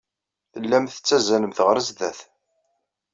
Tellamt tettaẓemt ɣer sdat.